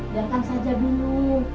biarkan saja dulu